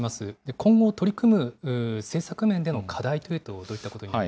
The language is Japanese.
今後、取り組む政策面での課題というと、どういったことになり